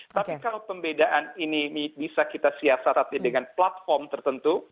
tapi kalau pembedaan ini bisa kita siasarati dengan platform tertentu